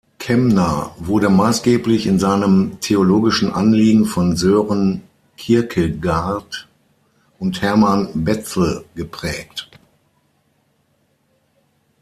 Kemner wurde maßgeblich in seinem theologischen Anliegen von Sören Kierkegaard und Hermann Bezzel geprägt.